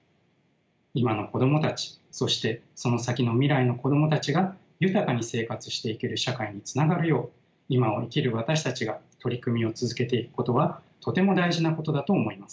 今の子供たちそしてその先の未来の子供たちが豊かに生活していける社会につながるよう今を生きる私たちが取り組みを続けていくことはとても大事なことだと思います。